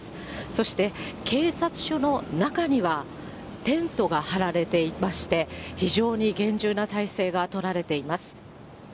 そして、警察署の中には、テントが張られていまして、非常に厳重な態勢が取られています。